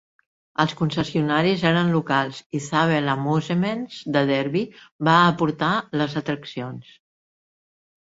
Els concessionaris eren locals i Zabel Amusements de Derby va aportar les atraccions.